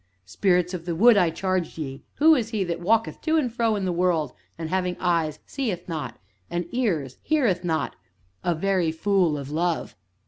"Spirits of the Wood, I charge ye who is he that walketh to and fro in the world, and having eyes, seeth not, and ears, heareth not a very Fool of Love?"